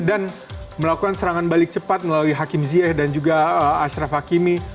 dan melakukan serangan balik cepat melalui hakim ziyeh dan juga ashraf hakimi